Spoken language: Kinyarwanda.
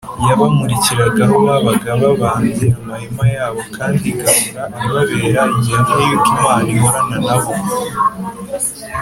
yabamurikiraga aho babaga babambye amahema yabo kandi igahora ibabera igihamya yuko imana ihorana na bo.